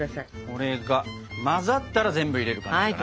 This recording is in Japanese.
これが混ざったら全部入れる感じかな。